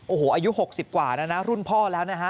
โอ้โหอายุ๖๐กว่าแล้วนะรุ่นพ่อแล้วนะฮะ